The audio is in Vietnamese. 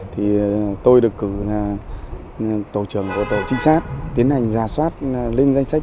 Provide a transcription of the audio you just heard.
thì tôi được cử là tổ trưởng của tổ trinh sát tiến hành giả soát lên danh sách